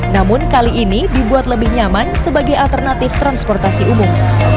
namun kali ini dibuat lebih nyaman sebagai alternatif transportasi umum